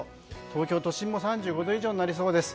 東京都心も３５度以上になりそうです。